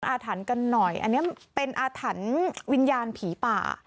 อาถรรพ์กันหน่อยอันนี้เป็นอาถรรพ์วิญญาณผีป่า